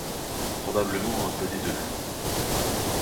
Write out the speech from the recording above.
Probablement un peu des deux.